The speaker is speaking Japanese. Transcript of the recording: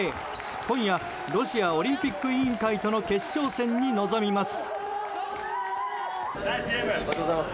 今夜ロシアオリンピック委員会との決勝戦に臨みます。